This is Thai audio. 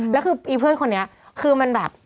แล้วคืออีเพื่อนคนนี้คือมันแบบ